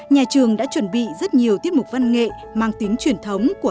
nhà trường đã chuẩn bị rất nhiều tiết mục văn nghệ mang tính truyền thống của hai nước